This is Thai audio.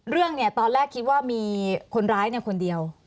เรื่องเนี่ยตอนแรกคิดว่ามีคนร้ายคนเดียว